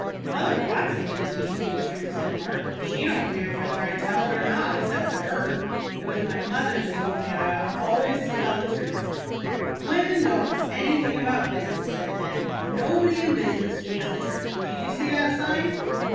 "Mother Watson didn't teach me the truth," said Mark. "She don't care whether I tell it or not except to her. It was my mother that told me I ought always to tell the truth." "Women don't know anything about business," said Ben. "Nobody in business speaks the truth. Do you see that sign?"